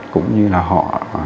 cũng như là họ